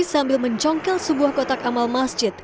sambil mencongkel sebuah kotak amal masjid